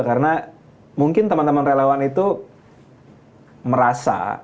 karena mungkin temen temen relawan itu merasa